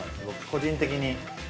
僕、個人的に。